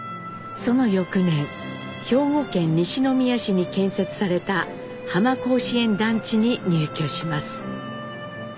その翌年兵庫県西宮市に建設された浜甲子園団地に入居します。